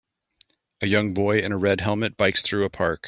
A young boy in a red helmet bikes through a park.